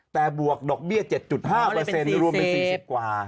แต่บวกดอกเบี้ย๗๕รวมเป็น๔๐กว่า